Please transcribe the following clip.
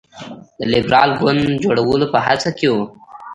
د لېبرال ګوند جوړولو په هڅه کې وو.